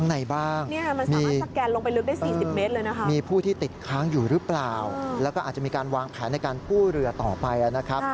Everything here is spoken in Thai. ในการกู้เรือต่อไปนะครับ